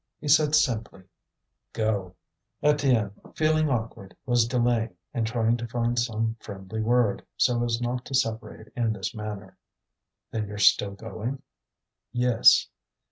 He said simply: "Go." Étienne, feeling awkward, was delaying, and trying to find some friendly word, so as not to separate in this manner. "Then you're still going?" "Yes."